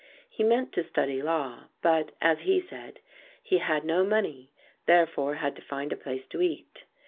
He meant to study law, but, as he said, he "had no money therefore had to find a place to eat."